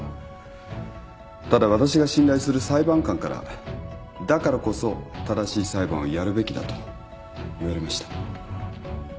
ただ私が信頼する裁判官からだからこそ正しい裁判をやるべきだと言われました。